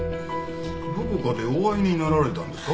どこかでお会いになられたんですか？